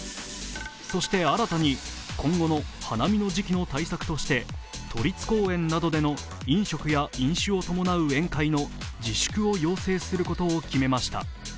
そして新たに今後の花見の時期に対策として都立公園などでの飲食や飲酒を伴う宴会の自粛を要請することを決めました。